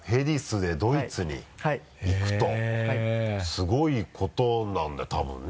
すごいことなんだよ多分ね。